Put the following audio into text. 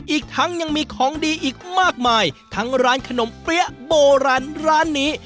อีกทั้งยังมีของดีอีกมากมายทั้งร้านขนมเปี้ยโบราณร้านนี้